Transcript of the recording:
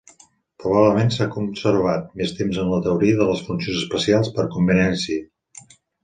Probablement s'ha conservat més temps en la teoria de les funcions especials, per conveniència.